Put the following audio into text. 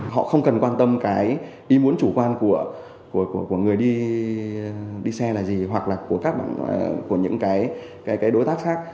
họ không cần quan tâm cái ý muốn chủ quan của người đi xe là gì hoặc là của các bạn của những cái đối tác khác